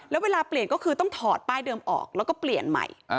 แล้วเวลาเปลี่ยนก็คือต้องถอดป้ายเดิมออกแล้วก็เปลี่ยนใหม่